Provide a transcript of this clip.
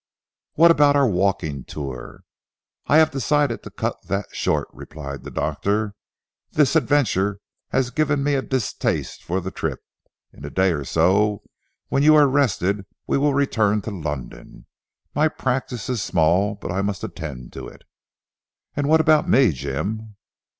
"What about our walking tour?" "I have decided to cut that short," replied the doctor, "this adventure has given me a distaste for the trip. In a day or so, when you are rested we will return to London. My practice is small but I must attend to it." "And what about me Jim?"